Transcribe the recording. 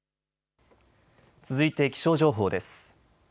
続いて気象情報です。